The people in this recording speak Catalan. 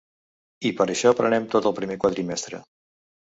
I per això prenem tot el primer quadrimestre.